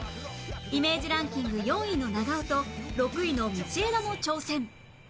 イメージランキング４位の長尾と６位の道枝の挑戦